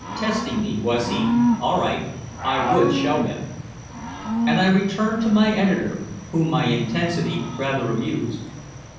Testing me, was he? All right, I would show him. And I returned to my editor, whom my intensity rather amused.